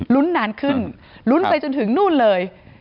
นานขึ้นลุ้นไปจนถึงนู่นเลย